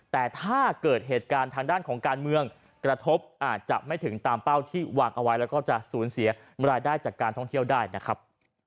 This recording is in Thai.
แต่ถ้าเกิดเหตุการณ์ทางด้านของการเมืองกระทบอาจจะไม่ถึงตามเป้าที่วางเอาไว้แล้วก็จะสูญเสียรายได้จากการท่องเที่ยวได้นะครับ